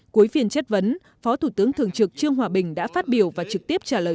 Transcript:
cuối phiên chất vấn phó thủ tướng thường trực trương hòa bình đã phát biểu và trực tiếp trả lời